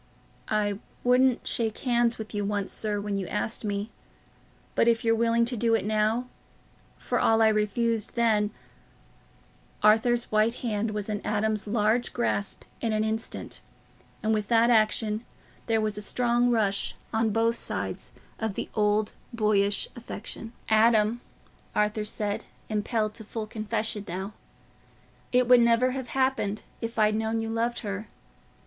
"I wouldn't shake hands with you once, sir, when you asked me—but if you're willing to do it now, for all I refused then..." Arthur's white hand was in Adam's large grasp in an instant, and with that action there was a strong rush, on both sides, of the old, boyish affection. "Adam," Arthur said, impelled to full confession now, "it would never have happened if I'd known you loved her.